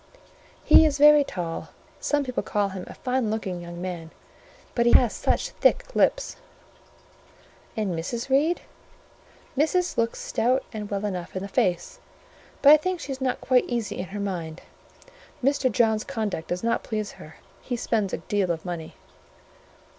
"He is very tall: some people call him a fine looking young man; but he has such thick lips." "And Mrs. Reed?" "Missis looks stout and well enough in the face, but I think she's not quite easy in her mind: Mr. John's conduct does not please her—he spends a deal of money."